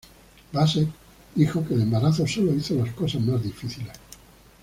Bassett dijo que el embarazo "solo hizo las cosas más difíciles".